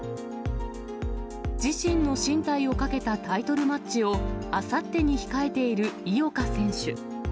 自身の進退をかけたタイトルマッチをあさってに控えている井岡選手。